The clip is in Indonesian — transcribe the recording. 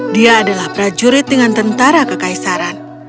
dia adalah prajurit dengan tentara kekaisaran